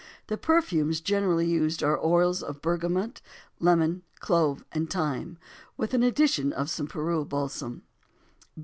The perfumes generally used are oils of bergamot, lemon, clove, and thyme, with an addition of some Peru balsam.